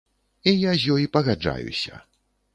І я з ёй пагаджаюся.